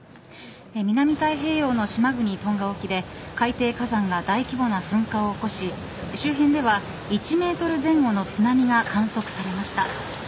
南太平洋の島国トンガ沖で海底火山が大規模な噴火を起こし周辺では１メートル前後の津波が観測されました。